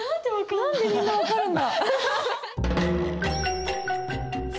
何でみんな分かるんだ？